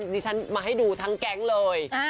ดิฉันมาให้ดูทั้งแก๊งเลย